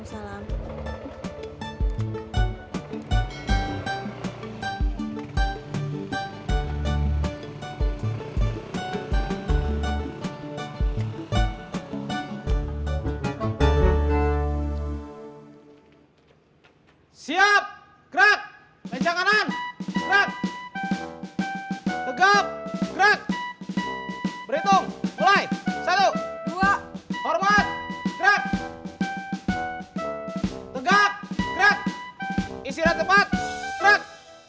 siap gerak bencang kanan gerak tegap gerak berhitung mulai satu dua hormat gerak tegap gerak istirahat tepat gerak